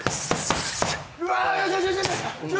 うわ。